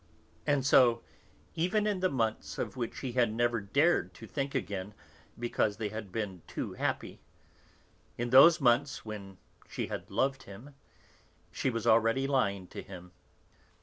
And so, even in the months of which he had never dared to think again, because they had been too happy, in those months when she had loved him, she was already lying to him!